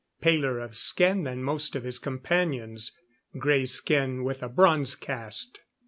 Paler of skin than most of his companions gray skin with a bronze cast.